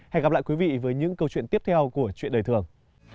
hẹn gặp lại quý vị với những câu chuyện tiếp theo của chuyện đời thường